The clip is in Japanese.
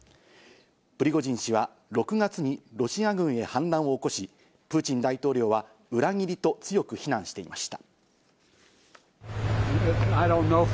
プリゴジン氏は６月にロシア軍へ反乱を起こし、プーチン大統領は裏切りと強く非難していました。